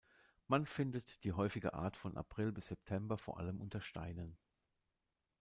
Man findet die häufige Art von April bis September vor allem unter Steinen.